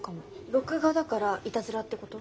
録画だからイタズラってこと？